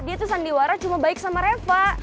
dia tuh sandiwara cuma baik sama reva